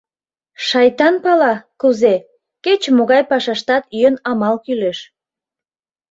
Шайтан пала — кузе: кеч-могай пашаштат йӧн-амал кӱлеш.